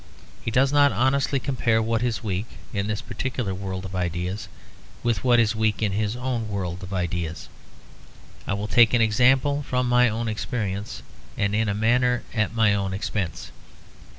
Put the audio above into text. He does not honestly compare what is weak, in this particular world of ideas, with what is weak in his own world of ideas. I will take an example from my own experience, and in a manner at my own expense.